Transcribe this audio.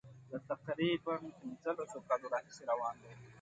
له تقریبا پنځلسو کالو راهیسي روان دي.